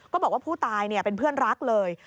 บอกว่าผู้ตายเป็นเพื่อนรักเลย